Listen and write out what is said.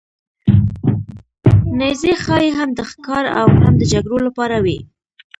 نیزې ښايي هم د ښکار او هم د جګړو لپاره وې.